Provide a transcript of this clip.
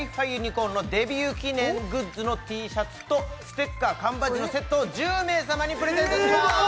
ｃｏｒｎのデビュー記念グッズのＴシャツとステッカー缶バッジのセットを１０名様にプレゼントしますわあ